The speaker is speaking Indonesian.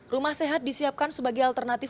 rumah sehat disiapkan sebagai alternatif